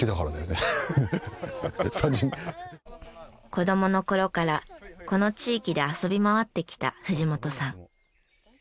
子供の頃からこの地域で遊び回ってきた藤本さん。